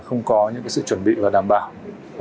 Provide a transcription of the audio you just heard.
không có những sự chuẩn bị và đảm bảo